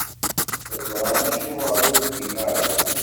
Tezṛam acuɣer ur ddiɣ ara?